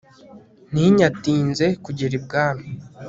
ntinyatinze kugera i bwami